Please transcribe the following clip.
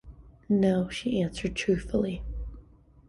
“No,” she answered truthfully.